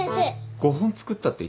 ５本作ったって言ってたよな？